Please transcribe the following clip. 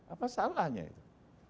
apa salahnya itu